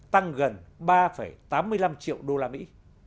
tăng gần ba tám mươi năm triệu đô la mỹ